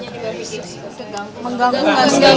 gimana pikirannya di babi ini